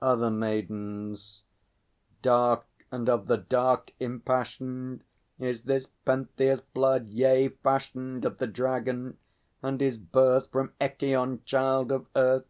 Other Maidens. Dark and of the dark impassioned Is this Pentheus' blood; yea, fashioned Of the Dragon, and his birth From Echîon, child of Earth.